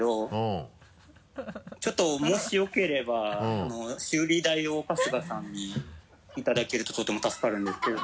ちょっともしよければ修理代を春日さんにいただけるととても助かるんですけど。